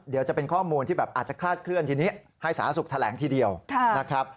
เดี๋ยวจะเป็นข้อมูลที่แบบอาจจะคลาดเคลื่อนทีนี้ให้สาธารณสุขแถลงทีเดียวนะครับ